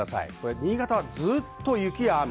新潟はずっと雪や雨。